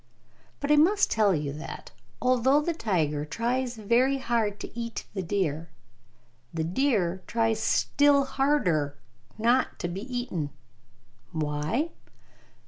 But I must tell you that, although the tiger tries very hard to eat the deer, the deer tries still harder not to be eaten! Why?